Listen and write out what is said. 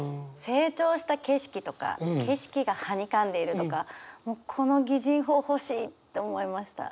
成長した景色とか景色がはにかんでいるとかこの擬人法欲しいと思いました。